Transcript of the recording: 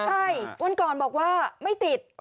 ใช่วันก่อนบอกว่าไม่ติด